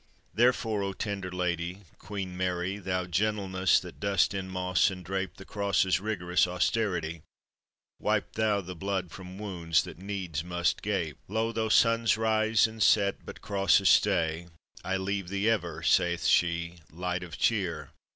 Therefore, O tender Lady, Queen Mary, Thou gentleness that dost enmoss and drape The Cross's rigorous austerity, Wipe thou the blood from wounds that needs must gape. "Lo, though suns rise and set, but crosses stay, I leave thee ever," saith she, "light of cheer."